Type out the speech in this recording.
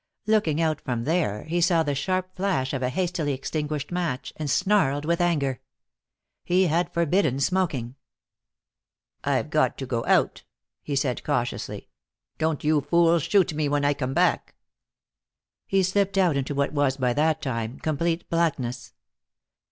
Looking out from there, he saw the sharp flash of a hastily extinguished match, and snarled with anger. He had forbidden smoking. "I've got to go out," he said cautiously. "Don't you fools shoot me when I come back." He slipped out into what was by that time complete blackness.